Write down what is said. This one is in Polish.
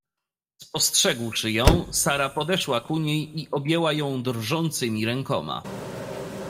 Spostrzegłszy ją Sara podeszła ku niej i ujęła ją drżącymi rękoma.